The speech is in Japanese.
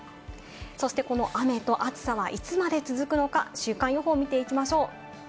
そしてこの雨と暑さはいつまで続くのか、週間予報見ていきましょう。